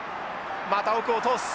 また奥を通す。